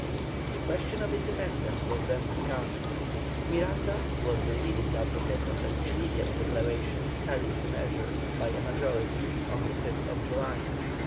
The question of independence was then discussed. Miranda, who was the leading advocate of an immediate declaration, carried the measure, by a majority, on the 5th July.